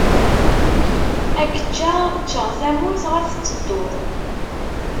Ad k-ččeɣ, ččeɣ tamurt ɣef tettedduḍ.